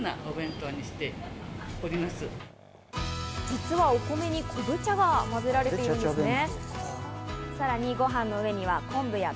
実は、お米に昆布茶が混ぜられてるんですね。